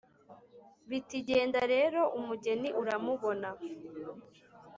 Biti: "Genda rero umugeni uramubona.